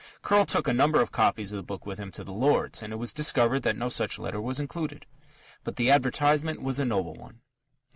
Curll took a number of copies of the book with him to the Lords, and it was discovered that no such letter was included. But the advertisement was a noble one.